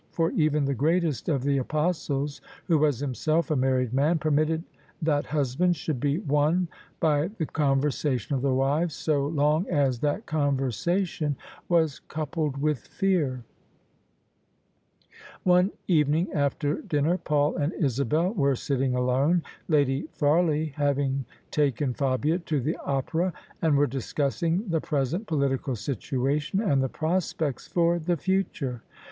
For even the greatest of the Apos tles, who was himself a married man, permitted that hus bands should be won by the conversation of the wives, so long as that conversation was coupled with fear. One evening after dinner Paul and Isabel were sitting alone, Lady Farley having taken Fabia to the Opera: and were discussing the present political situation and the pros pects for the future.